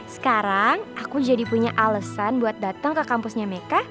sekarang aku jadi punya alasan buat datang ke kampusnya meka